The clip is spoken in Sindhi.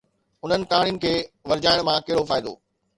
انهن ڪهاڻين کي ورجائڻ مان ڪهڙو فائدو؟